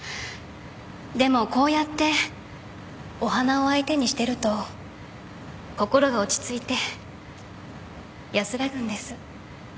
でもこうやってお花を相手にしてると心が落ち着いて安らぐんです。